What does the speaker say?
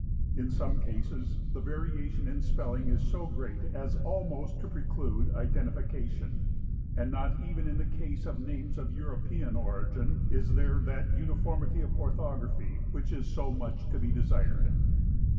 In some cases the variation in spelling is so great as almost to preclude identification, and not even in the case of names of European origin is there that uniformity of orthography which is so much to be desired.